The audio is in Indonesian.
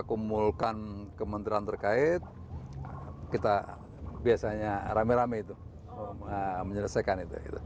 kita kumpulkan kementerian terkait kita biasanya rame rame itu menyelesaikan itu